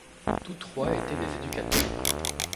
Tous trois étaient des éducateurs.